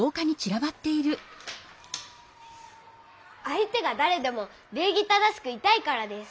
あいてがだれでも礼儀正しくいたいからです。